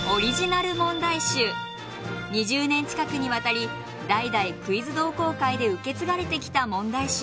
２０年近くにわたり代々クイズ同好会で受け継がれてきた問題集。